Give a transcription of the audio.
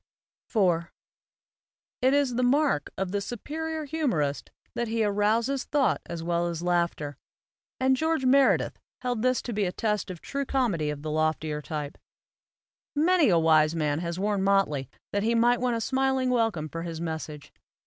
IV IT is the mark of the superior humorist that he arouses thought as well as laughter; and George Meredith held this to be the test of true comedy of the loftier type. Many a wise man has worn motley that he might win a smiling welcome for his message.